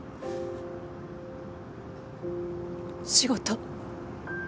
仕事。